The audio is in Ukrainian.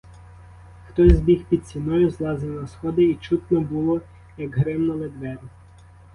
Хтось біг під стіною, злазив на сходи, і чутно було, як гримнули двері.